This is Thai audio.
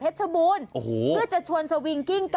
คุณสมัครค่ะคุณสมัครค่ะ